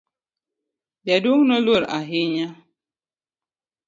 Jaduong' no noluor ahinya.